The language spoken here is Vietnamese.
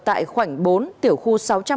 tại khoảnh bốn tiểu khu sáu trăm một mươi ba